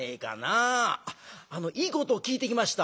「あっいいことを聞いてきました」。